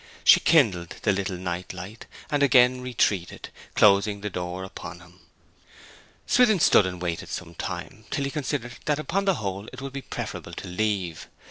She kindled the little light, and again retreated, closing the door upon him. Swithin stood and waited some time; till he considered that upon the whole it would be preferable to leave.